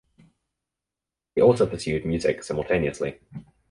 He also pursued music simultaneously.